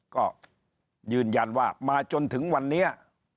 ก็ยืนยันว่ามาจนถึงวันนี้